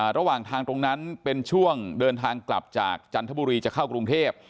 ระหว่างทางตรงนั้นเป็นช่วงเดินทางกลับจากจันทบุรีจะเข้ากรุงเทพ